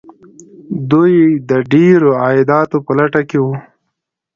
دوی د ډیرو عایداتو په لټه کې وو.